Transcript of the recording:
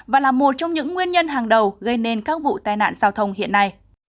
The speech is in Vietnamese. và là một trong những nguyên nhân hàng đầu gây nên các vụ tai nạn giao thông hiện nay